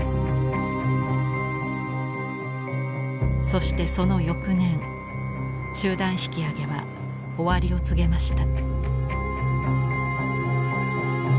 そしてその翌年集団引き揚げは終わりを告げました。